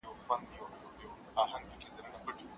ویره او ډار شتون نه درلود.